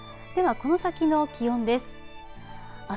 この先の気温です。